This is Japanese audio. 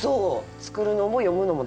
作るのも読むのも楽しい？